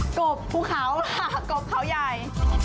กบภูเขาค่ะกบเขาใหญ่